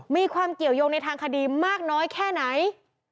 มีความเกี่ยวยงในทางคดีมากน้อยแค่ไหน